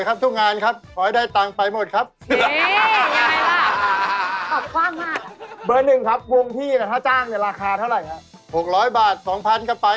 หน้าตาเป็นยังไงพี่หน้าตาเป็นยังไง